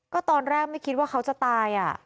ก็ตอนแรกไม่คิดว่าเขาจะตาย